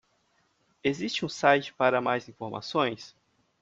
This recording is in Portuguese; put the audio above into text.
Existe um site para mais informações?